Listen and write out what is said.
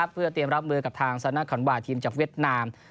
เพื่อเตรียมรับเมืองกับทางสนักความบัตรทีมจากเวียดนาม